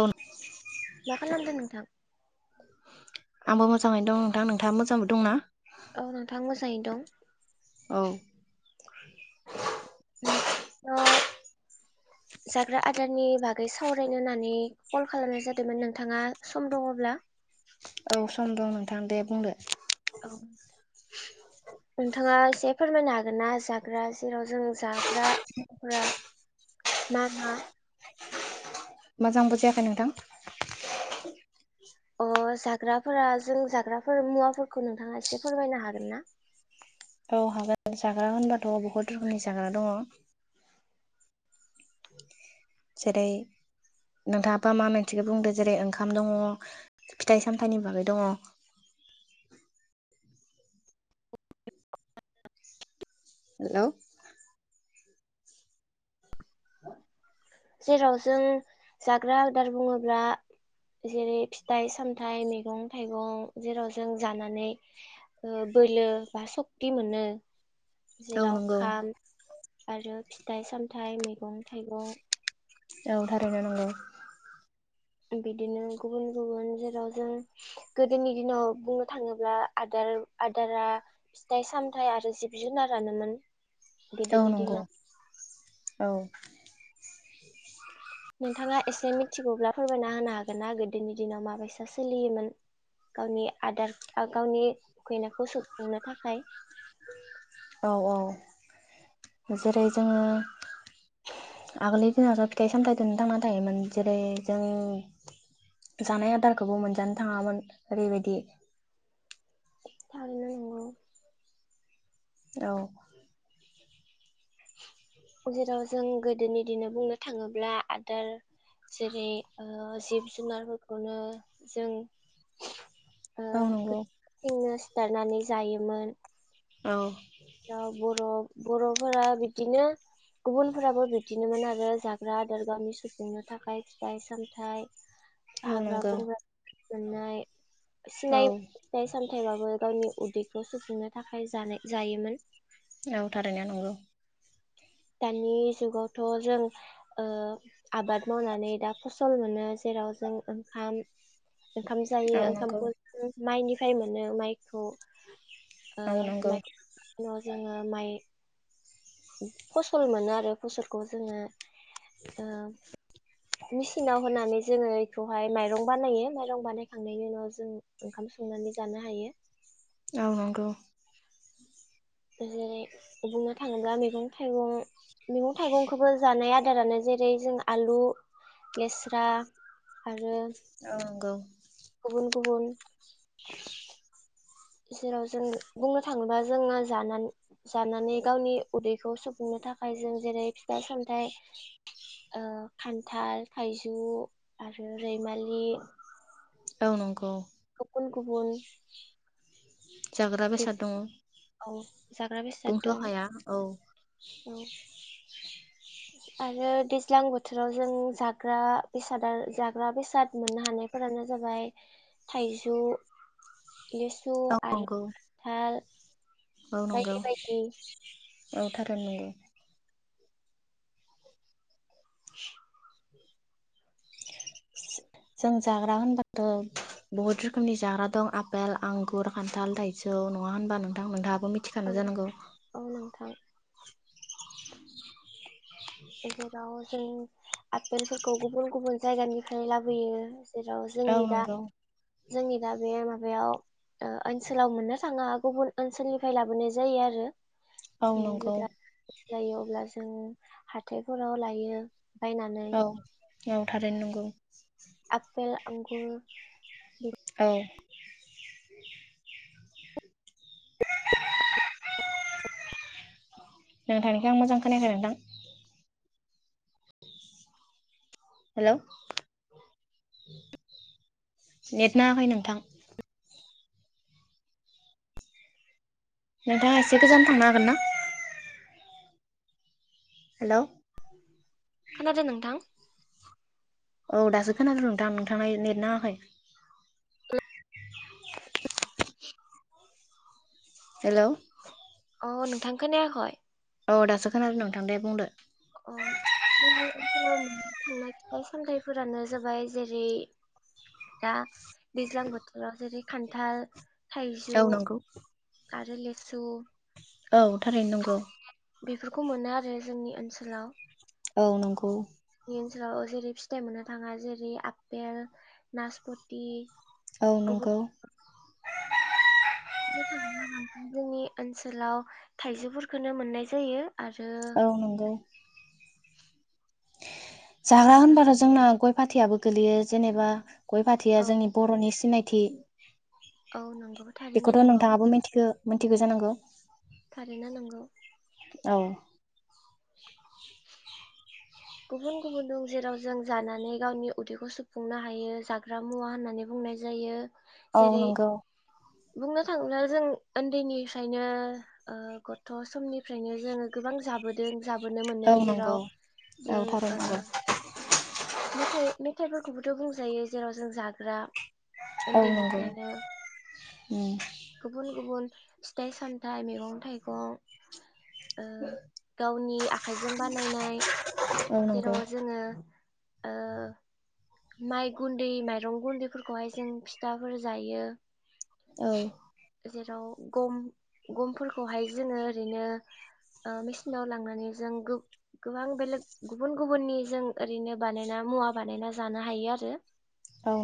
औ मा खालामदों नोंथां आंबो मोजाङैनो दं। दा नोंथाङा मोजांबो दंना? औ नोंथां मोजाङैनो दं। औ [inaudible] दं नोंथांनाव जाग्रा आदारनि बागै सावरायनो होननानै कल खालामनाय जादोंमोन नोंथाङा सम दङब्ला? औ सम दं नोंथां दे बुंदो। औ नोंथाङा एसे फोरमायनो हागोन ना? जाग्रा जेराव जों जाग्रा मवफोरा मा मा? मोजां बुजियाखै नोंथां। अ जाग्राफोरा जों जाग्राफोर मुवाफोरखौ नोंथाङा एसे फोरमायनो हागोन ना? औ हागोन जाग्रा होनबाथ' बहुत रोखोमनि जाग्रा दङ। जेरै नोंथाङाबा मा मोनसेखौ बुंदों जेरै ओंखाम दङ फिथाइ सामथाइनि बागै दङ। हेलौ जेराव जों जाग्रा आदार बुङोब्ला जेरै फिथाइ सामथाइ मैगं थाइगं जेराव जों जानानै ओ बोलो बा सक्ति मोनो औ जिराव नंगौ खाम आरो फिथाइ सामथाइ मैगं थाइगं औ थारैनो नंगौ। बिदिनो गुबुन गुबुन जेराव जों गोदोनि दिनाव बुंनो थाङोब्ला आदार आदारा फिथाइ सामथाइ आरो जिब जुनारानोमोन। औ गोदोनि नंगौ दिनाव औ नोंथाङा एसे मिथिगौब्ला फोरमायना होनो हागोन ना गोदोनि दिनाव माबायसा सोलियोमोन? गावनि आदार गावनि उखैनायखौ सुफुंनो थाखाय। औ औ जेरै जोङो आगोलनि दिनावथ' फिथाइ सामथाइ दोंनो थांना थायोमोन जेरै जों जानाय आदारखौबो मोनजानो थाङामोन ओरैबायदि थारैनो नंगौ। औ जेराव जों गोदोनि दिनाव बुंनो थाङोब्ला आदार जेरै ओ जिब जुनारफोरखौनो जों ओ औ नंगौ [unintelligible] सिथारनानै जायोमोन। औ बर' बर'फोरा बिदिनो गुबुन फोराबो बे बिदिनोमोन आरो जाग्रा आदार गावनि सुफुंनो थाखाय फिथाइ सामथाइ औ हाग्रा नंगौ बंग्रा मोननाय औ सिनाय फिथाइ सामथायबाबो गावनि उदैखौ सुफुंनो थाखाय जानाय जायोमोन औ थारैनो नंगौ दानि जुगावथ' जों आबाद मावनानै दा फसल मोनो जेराव जों ओंखाम ओंखाम औ जायो नंगौ ओंखामखौ माइनिफ्राय मोनो माइखौ औ नंगौ ओ [unintelligible] जोङो माइ फसल मोनो आरो फसलखौ जोङो ओ मेसिनाव होनानै जोङो बेखौहाय माइरं बानायो माइरं बानायखांनायनि उनाव जों ओंखाम संनानै जानो हायो। औ नांगौ जेरै बुंनो थाङोब्ला मैगं-थाइगं मैगं-थाइगंखौबो जानाय आदारानो जेरै जों आलु, लेस्रा आरो औ नंगौ गुबुन गुबुन जेराव जों बुंनो थाङोबा जोङो जानानै गावनि उदैखौ सुफुंनो थाखाय जों जेरै फिथाइ-सामथाइ ओ खान्थाल-थाइजौ आरो रैमालि औ नंगौ गुबुन गुबुन जाग्रा बे बेसाद दङ औ जाग्रा बेसाद दंस' दं। हाया औ औ आरो दैज्लां बोथोराव जों जाग्रा बेसादा जाग्रा बेसाद मोननो हानायफोरानो जाबाय थाइजौ लिसु औ आरो नंगौ खान्थाल औ नंगौ बायदि बायदि औ थारैनो नंगौ [inaudible] जों जाग्रा होनबाथ' बहुत रोखोमनि जाग्रा दं आफेल, आंगुर, खान्थाल, थाइजौ नङा होनबा नोंथांमोनहा औ मिथिखानो जानांगौ [inaudible] औ नोंथां जेराव जों आपेलफोरखौ गुबुन गुबुन जायगानिफ्राय लाबोयो जेराव औ जोंनि दा नंगौ जोंनि दा बे मा बेयाव ओ ओनसोलाव मोननो थाङा गुबुन ओनसोलनिफ्राय लाबोनाय जायो आरो औ जों नंगौ जेब्ला जायो अब्ला जों हाथ हाथायफोराव लायो बायनानै औ औ थारैनो नंगौ [inaudible] आ आपेल, आंगुर औ नोंथांनिखौ आं मोजां खोनायाखै नोंथां। हेलौ नेट नांङाखै नोंथां। नोंथाङा एसे गोजान थांनो हागोन ना? हेलौ। खोनादों नोंथां। औ दासो खोनादों नोंथां नोंथां नेट नांआखै [inaudible] हेलौ। अ नोंथां खोनायाखय। औ दासो खोनादों नोंथां दे बुंदो। अ जोंनि ओनसोलाव मोननो थांनाय फिथाइ सामथायाइफोरानो जाबाय जेरै दा दैज्लां बोथोराव जेरै खान्थाल औ थाइजौ नंगौ आरो ले सु [inaudible] औ थारैनो नंगौ। खौ मोनो आरो जोंनि ओनसोलाव। औ नंगौ। जोंनि ओनसोलाव जेरै फिथाइ मोननो थाङा जेरै आपेल, नासपति। औ नंगौ। गुबुननो थाङाफ्रा जोंनि ओनसोलाव थाइजौफोरखौनो मोननाय जायो। आरो औ नंगौ। [inaudible] जाग्रा उनाव जों होनबाथ' जोंना गय फाथैयाबो गोलैयो जेनेबा गय फाथैया औ जोंनि बर'नि सिनाय थि औ नंगौ थारैनो बेखौथ' नंगौ नोंथाङाबो मिथिगो मिनथिगो जानांगौ। थारैनो नंगौ। औ। [inaudible] गुबुन गुबुन दं जेराव जों जानानै गावनि उदैखौ सुफुंनो हायो जाग्रा मुवा होननानै बुंनाय जायो। औ जेरै नंगौ। बुंनो थाङोब्ला जों ओन्दैनिफ्रायनो ओ गथ' समनिफ्रायनो जोङो गोबां जाबोदों। जाबोनो औ मोनो नंगौ जेराव औ जों थारैनो नंगौ ओ। मेथाइ मेथाइफोरखौबोथ' बुंजायो जेराव जों जाग्रा औ नंगौ ओन्दैनिफ्रायनो उम गुबुन गुबुन फिथाइ सामथाइ मैगं थाइगं ओ गावनि आखाइजों बानायनाय औ नंगौ जेराव जोङो ओ माइ गुन्दै माइरं गुन्दैफोरखौहाय जों फिथाफोर जायो। औ जेराव गम गमफोरखौहाय जोङो ओरैनो ओ मेचिनाव लांनानै जों गोब गोबां बेलेग गुबुन गुबुननि जों ओरैनो बानायना मुवा बानायना जा जानो हायो आरो औ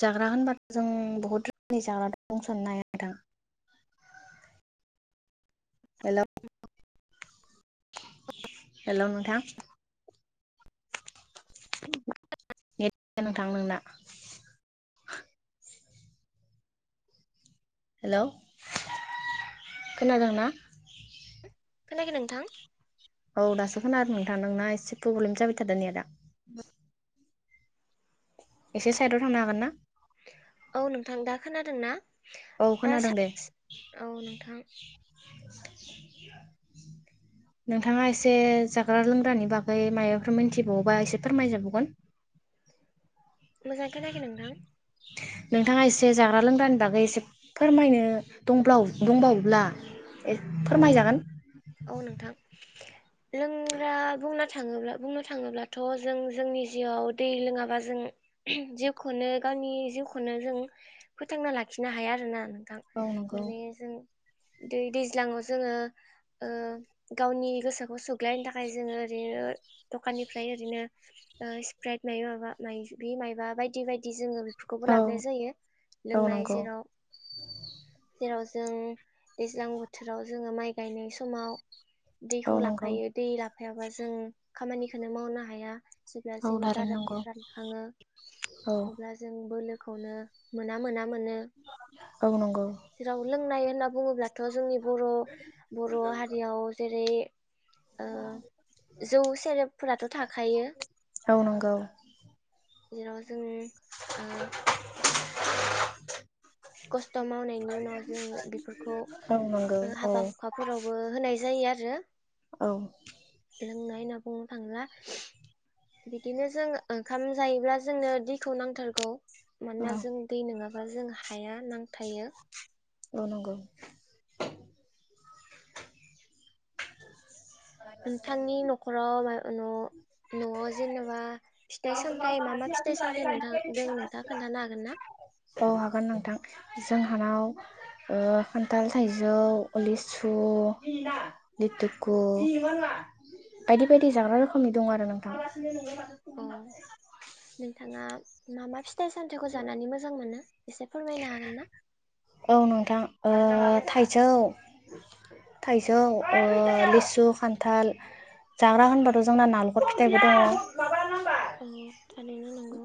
जाग्रा होनबाथ' जों बहुद रोखोमनि जाग्रा बुंसननो हाया नोंथां। हेलौ हेल' नोंथां। [unintelligible] नोंथां नोंना हेल' खोनादों ना? खोनायाखै नोंथां औ दासो खोनादों नोंथां नोंना एसे प्रब्लेम जाबाय थादो नेटा। बा एसे साइदआव थांनो हागोन ना? औ नोंथां दा खोनादों ना औ खोनादों दे [unintelligible] औ नोंथां [inaudible] नोंथाङा एसे जाग्रा लोंग्रानि बागै मायबाफोर मिनथिबावोबा एसे फोरमायजाबावगोन। मोजां खोनायाखै नोंथां। नोंथाङा एसे जाग्रा लोंग्रानि बागै एसे फोरमायनो दंब्लाव दंबावोब्ला औ फोरमायजागोन। औ नोंथां। लोंग्रा बुंना थाङोब्ला बुंनो थाङोब्लाथ' जों जोंनि जिउआव दै लोङाबा जों जिउखौनो गावनि जिउखौनो जों फोथांना लाखिनो हाया आरो ना नों थां औ नंगौ माने जों दै दैज्लाङाव जोङो ओ गावनि गोसोखौ सुग्लायनो थाखाय जोङो ओरैनो दखाननिफ्राय ओरैनो ओ स्प्राइद माइबा माबा माइज माइबा बायदि बायदि जोङो फोरखौबो औ लाबोनाय जायो औ लोंनाय नंगौ जेराव जेराव जों दैज्लां बोथोराव जोङो माइ गायनाय सम माव औ दैखौ नंगौ लाफायो दै लाफायाबा जों खामानिखौनो मावनो हाया। जेब्ला औ जोंनि थारैनो नंगौ गारामाया रानखाङो औ अब्ला जों बोलो खौनो मोना मोना मोनो औ नंगौ जेराव लोंनाय ना बुङोब्ला थ' जोंनि बर' बर' हारियाव जेर [unintelligible] ओ जौ सेरेबफोराथ' थाखायो औ नंगौ [unintelligible] जों ओ खस्थ' मावनायनि उनाव जों बेफोरखौ औ नंगौ ओ औ हाबा हुखाफोरावबो होनाय जायो आरो औ रो लोंनाय नो नो थांला बिदिनो जों ओंखाम जायोब्ला जोंनो दैखौ नांथारगौ मानोना औ जों दै नङा मा जों हाया नांथायो अ नंगौ नंगौ नोंथांनि न'खराव न' न'आव जेन'बा दों नोंथाङा खोन्थानो हागोन ना [unintelligible] औ हागोन नोंथां हानाव ओ खान्थाल थाइजौ लिसु लिथुकु बायदि बायदि जाग्रा रोखोमनि दं आरो नोंथां अ नोंथाङा [unintelligible] फिथाइ सामथाइखौ जानानै मोजां मोनो एसे फोरमायनो हागोन ना? औ नोंथां ओ थाइजौ थाइजौ ओ लिसु खान्थाल जाग्रा होनबाथ' जोंना नालखर फिथाइबो दङ। औ थारैनो नंगौ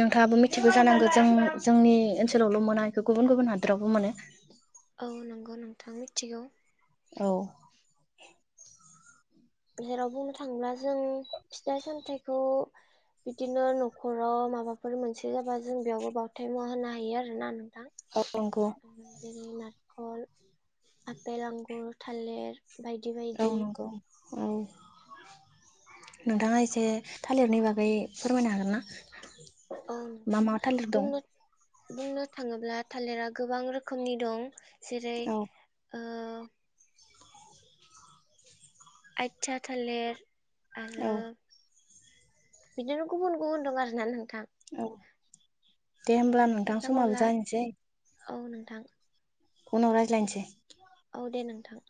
नोंथाङाबो मिथिगौ जानांगो जों जोंनि ओनसोलावल' मोना बेखौ गुबुन गुबुन हादोरावबो मोनो औ नंगौ नोंथां मिथिगौ औ जेराव बुंनो थाङोब्ला जों फिथाइ सामथाइखौ बिदिनो न'खराव माबाफोर मोनसे जाबा जों बेयावबो बावथाइ मुवा होनो हायो आरोना औ नंगौ नारखल आपेल आंगुर थालिर बायदि औ बायदि नंगौ औ नोंथाङा एसे थालिरनि बागै फोरमायनो हागोन ना? औ मा नोंथां मा थालिर दं? बुंनो बुंनो थाङोब्ला थालिरा गोबां रोखोमनि दं जेरै औ ओ आथया थालेर आरो औ बिदिनो गुबुन गुबुन दं आरोना नों औ दे होब्ला नोंथां समाबो जानोसै औ नोंथां उनाव रायज्लायनोसै औ दे नोंथां